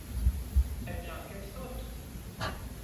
Eh bien ! qu’elle saute !